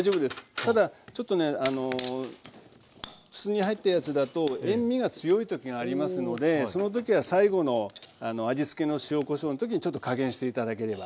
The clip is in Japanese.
ただちょっとねあの筒に入ったやつだと塩味が強い時がありますのでその時は最後の味つけの塩こしょうの時にちょっと加減して頂ければ。